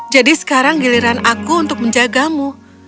jadi sekarang giliran aku untuk menjagamu